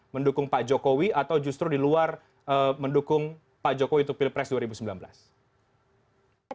mendukung pak jokowi atau justru di luar mendukung pak jokowi untuk pilpres dua ribu sembilan belas